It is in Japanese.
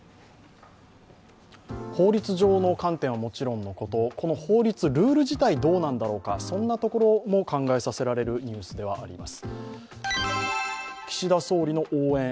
法律上の観点はもちろんのこと、法律、ルール自体、どうなんだろうか、そんなところも考えさせられるニュースではあります。